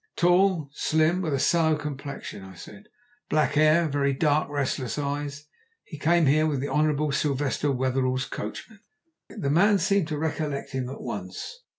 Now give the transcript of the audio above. "Tall, slim, with a sallow complexion," I said, "black hair and very dark restless eyes. He came in here with the Hon. Sylvester Wetherell's coachman." The man seemed to recollect him at once.